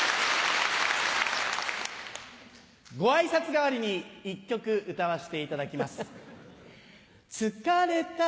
ご挨拶代わりに１曲歌わせていただきます。